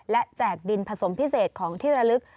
และแจกดินผสมพิเศษของที่ระลึก